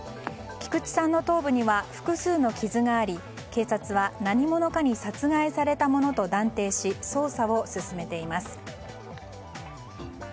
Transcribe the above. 菊池さんの頭部には複数の傷があり警察は何者かに殺害されたものと断定し捜査を進めています。